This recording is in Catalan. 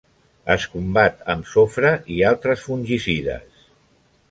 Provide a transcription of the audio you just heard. Es combat amb sofre i altres fungicides.